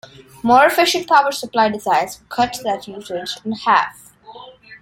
More efficient power supply designs could cut that usage in half.